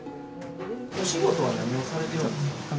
お仕事は何をされてるんですか？